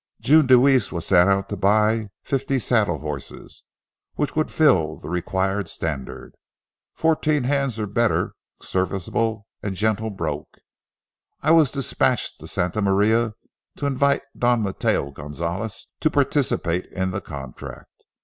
June Deweese was sent out to buy fifty saddle horses, which would fill the required standard, "fourteen hands or better, serviceable and gentle broken." I was dispatched to Santa Maria, to invite Don Mateo Gonzales to participate in the contract.